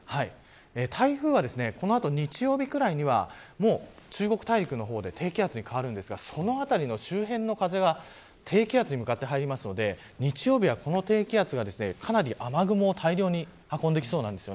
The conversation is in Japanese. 台風はこの後、日曜日くらいにはもう、中国大陸の方で低気圧に変わるんですがその辺りの周辺の風が低気圧に向かって入りますので日曜日はこの低気圧がかなり雨雲を大量に運んできそうです。